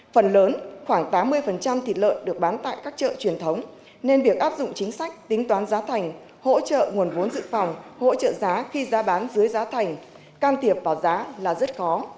phần lớn khoảng tám mươi thịt lợn được bán tại các chợ truyền thống nên việc áp dụng chính sách tính toán giá thành hỗ trợ nguồn vốn dự phòng hỗ trợ giá khi giá bán dưới giá thành can thiệp vào giá là rất khó